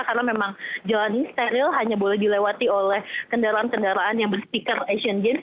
karena memang jalan ini steril hanya boleh dilewati oleh kendaraan kendaraan yang bersikap asian games